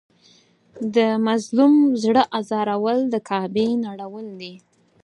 د مظلوم زړه ازارول د کعبې نړول دي.